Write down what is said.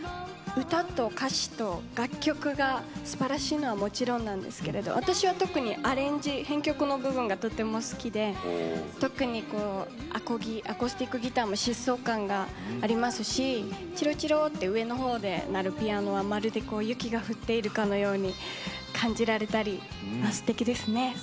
歌と歌詞と楽曲がすばらしいのはもちろんなんですけれども私は特にアレンジ編曲の部分がとても好きで特にアコースティックギターの疾走感がありますしちろちろと上の方で鳴るピアノはまるで雪が降っているかのように感じられたり、すてきですね。